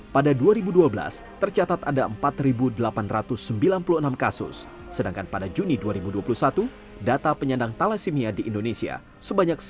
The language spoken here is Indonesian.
pada dua ribu dua belas tercatat ada empat delapan ratus sembilan puluh enam kasus sedangkan pada juni dua ribu dua puluh satu data penyandang thalassemia di indonesia sebanyak sembilan ratus